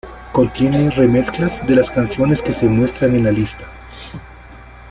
Contiene re mezclas de las canciones que se muestran en la lista.